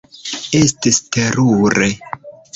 Estis terure.